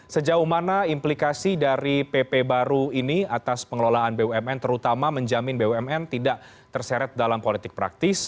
sejauh mana implikasi dari pp baru ini atas pengelolaan bumn terutama menjamin bumn tidak terseret dalam politik praktis